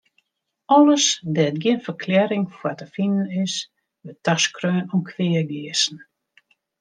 Alles dêr't gjin ferklearring foar te finen is, wurdt taskreaun oan kweageasten.